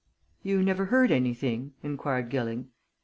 "You never heard anything?" inquired Gilling.